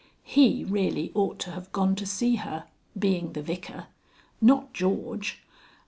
"He really ought to have gone to see her being the Vicar. Not George.